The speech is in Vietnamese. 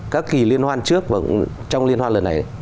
các kỳ liên hoan trước và trong liên hoan lần này